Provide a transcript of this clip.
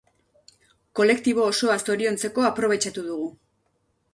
Kolektibo osoa zoriontzeko aprobetxatu dugu.